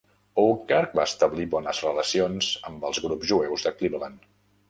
Oakar va establir bones relacions amb els grups jueus de Cleveland.